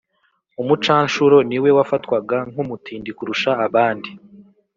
umucanshuro niwe wafatwaga nk' umutindi kurusha abandi